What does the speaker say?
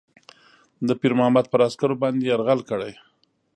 د پیرمحمد پر عسکرو باندي یرغل کړی.